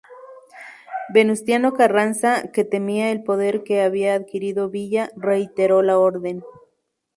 Venustiano Carranza, que temía el poder que había adquirido Villa, reiteró la orden.